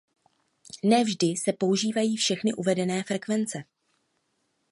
Ne vždy se používají všechny uvedené frekvence.